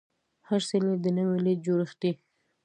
هر څیرل د نوې لید جوړښت دی.